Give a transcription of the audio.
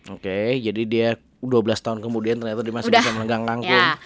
oke jadi dia dua belas tahun kemudian ternyata dia masih bisa melenggang angkin